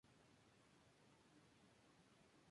Está posiblemente nombrado por Ginebra, esposa del rey Arturo.